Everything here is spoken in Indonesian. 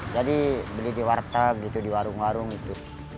jadi beli di warteg gitu di warung warung gitu